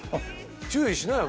注意しなよ。